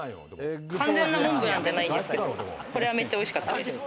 完全なモンブランじゃないですけど、これはめっちゃ美味しかったです。